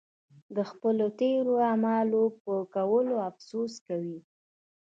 د خپلو تېرو اعمالو پر کولو افسوس کوي.